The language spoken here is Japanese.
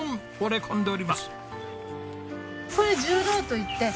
惚れ込んでおります。